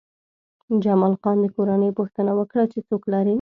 جمال خان د کورنۍ پوښتنه وکړه چې څوک لرې